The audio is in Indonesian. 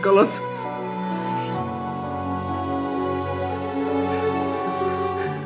kalau mereka berdua